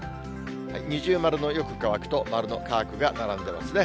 二重丸のよく乾くと、丸の乾くが並んでいますね。